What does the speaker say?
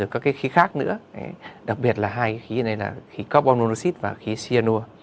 có khí khác nữa đặc biệt là hai khí này là carbon monoxid và khí cyanur